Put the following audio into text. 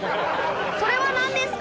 それは何ですか？